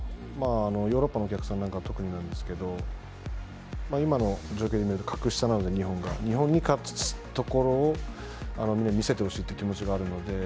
ヨーロッパのお客さんなんかは特になんですけど今の状況で見ると格下なので、日本は日本が勝つところをみんなに見せてほしいという気持ちがあるので。